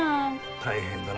大変だなぁ。